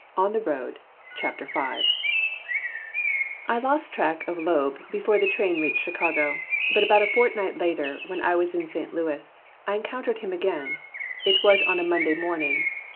I was wretched CHAPTER V I LOST track of Loeb before the train reached Chicago, but about a fortnight later, when I was in St. Louis, I encountered him again. It was on a Monday morning.